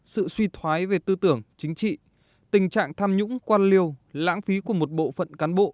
sự suy thoái về tư tưởng chính trị tình trạng tham nhũng quan liêu lãng phí của một bộ phận cán bộ